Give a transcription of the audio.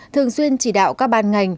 thường xuyên chỉ đạo các ban ngành